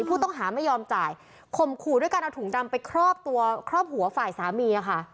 ผู้ต้องหาไม่ยอมจ่ายข่มขู่ด้วยการเอาถุงดำไปครอบตัวครอบหัวฝ่ายสามีค่ะ